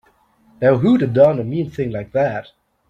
Now who'da done a mean thing like that?